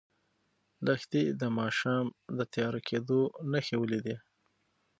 لښتې د ماښام د تیاره کېدو نښې ولیدې.